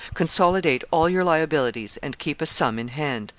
Consolidate all your liabilities, and keep a sum in hand.